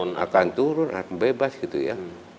iya akan turun atau bebas gitu ya